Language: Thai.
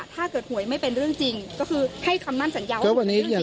ถ้าเกิดห่วยไม่เป็นเรื่องจริงก็คือคำนั้นสัญญาเวอร์